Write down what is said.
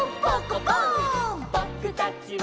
「ぼくたちは」